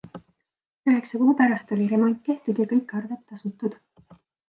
Üheksa kuu pärast oli remont tehtud ja kõik arved tasutud.